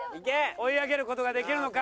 追い上げる事ができるのか？